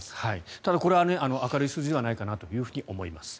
ただ、これは明るい数字じゃないかなと思います。